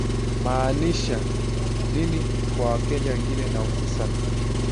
maanisha nini kwa wakenya wengine na hususan